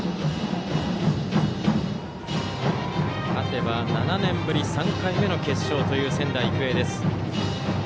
勝てば７年ぶり３回目の決勝という仙台育英です。